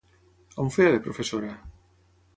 On feia de professora?